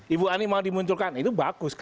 ibu ani mau dimunculkan itu bagus